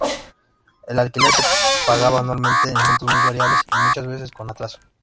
El alquiler se pagaba anualmente, en montos muy variables y muchas veces con atraso.